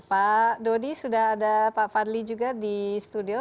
pak dodi sudah ada pak fadli juga di studio